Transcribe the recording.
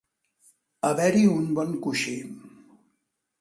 Haver-hi un bon coixí.